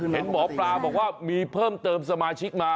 เห็นหมอปลาบอกว่ามีเพิ่มเติมสมาชิกมา